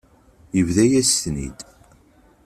Yebḍa-yas-ten-id.